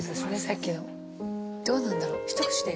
どうなんだろう。